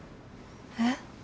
えっ？